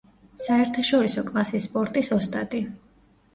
საერთაშორისო კლასის სპორტის ოსტატი.